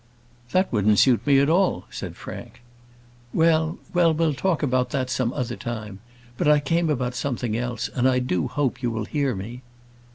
"That wouldn't suit me at all," said Frank. "Well, we'll talk about that some other time. But I came about something else, and I do hope you will hear me."